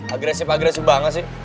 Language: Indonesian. agresif agresif banget sih